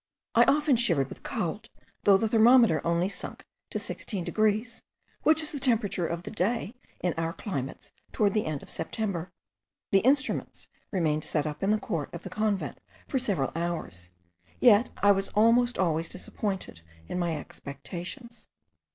I often shivered with cold, though the thermometer only sunk to 16 degrees, which is the temperature of the day in our climates towards the end of September. The instruments remained set up in the court of the convent for several hours, yet I was almost always disappointed in my expectations.